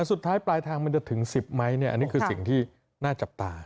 สุดท้ายปลายทางมันจะถึง๑๐ไหมเนี่ยอันนี้คือสิ่งที่น่าจับตา